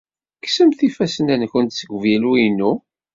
Kksemt ifassen-nkent seg uvilu-inu!